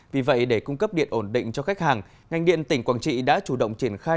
vì vậy để cung cấp điện ổn định cho khách hàng ngành điện tỉnh quảng trị đã chủ động triển khai